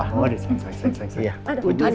oh ada sayang